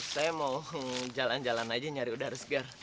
saya mau jalan jalan aja nyari udara segar